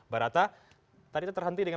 barata tadi itu terhenti dengan